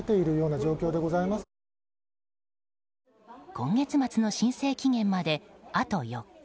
今月末の申請期限まであと４日。